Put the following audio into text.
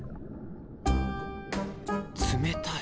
冷たい。